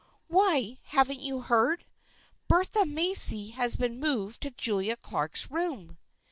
" Why, haven't you heard ? Bertha Macy has been moved to Julia Clark's room."